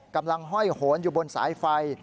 กำลังห้อยโหนอยู่บนสายไฟ